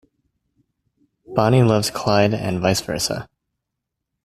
Bonnie loves Clyde and vice versa.